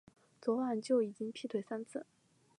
昨晚就已经劈腿三次